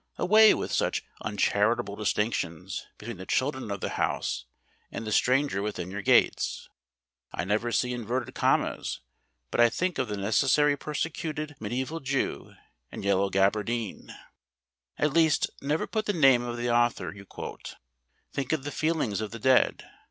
Away with such uncharitable distinctions between the children of the house and the stranger within your gates. I never see inverted commas but I think of the necessary persecuted mediæval Jew in yellow gabardine. At least, never put the name of the author you quote. Think of the feelings of the dead.